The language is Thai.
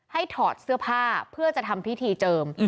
ถอดเสื้อผ้าเพื่อจะทำพิธีเจิม